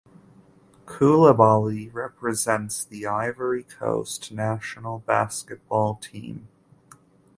Coulibaly represents the Ivory Coast national basketball team.